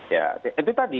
ya itu tadi